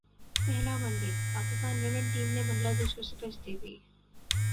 پہلا one day Pakistan women team نے Bangladesh کو شکست دے دی